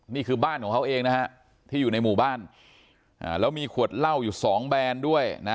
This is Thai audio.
นี่คือบ้านของเขาเองนะฮะที่อยู่ในหมู่บ้านแล้วมีขวดเหล้าอยู่สองแบรนด์ด้วยนะ